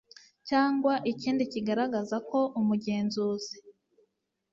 cyangwa ikindi kigaragaza ko umugenzuzi